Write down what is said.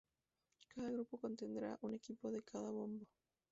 Cada grupo contendrá un equipo de cada bombo.